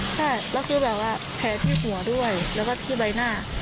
ใช่แล้วคือแบบว่าแผลที่หัวด้วยแล้วก็ที่ใบหน้า